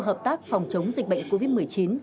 hợp tác phòng chống dịch bệnh covid một mươi chín